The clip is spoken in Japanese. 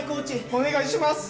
お願いします！